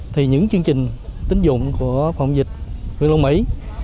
thì những chương trình tính dụng của phòng dịch huyện long mỹ